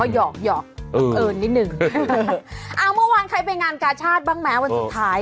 ยอกเพราะเกินนิดหนึ่งเอาเมื่อวานใครไปงานกาชาติบ้างมั้ยวันสุดท้าย